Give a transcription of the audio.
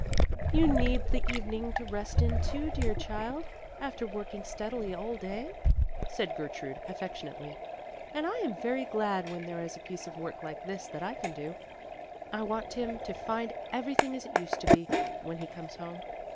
"You need the evening to rest in too, dear child, after working steadily all day," said Gertrude affectionately. "And I am very glad when there is a piece of work like this that I can do. I want him to find everything as it used to be, when he comes home.